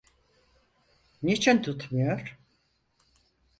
Niçin tutmuyor…